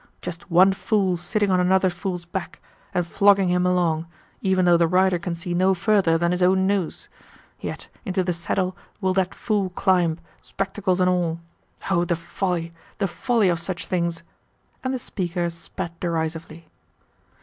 Just one fool sitting on another fool's back, and flogging him along, even though the rider can see no further than his own nose! Yet into the saddle will that fool climb spectacles and all! Oh, the folly, the folly of such things!" And the speaker spat derisively.